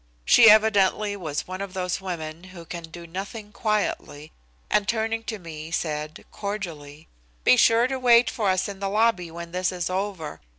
She evidently was one of those women who can do nothing quietly, and turning to me said, cordially: "Be sure to wait for us in the lobby when this is over.